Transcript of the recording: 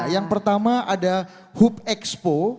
yang pertama ada hub expo